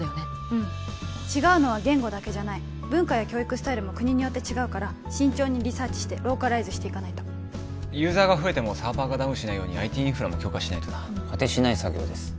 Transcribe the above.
うん違うのは言語だけじゃない文化や教育スタイルも国によって違うから慎重にリサーチしてローカライズしていかないとユーザーが増えてもサーバーがダウンしないようにＩＴインフラも強化しないとな果てしない作業です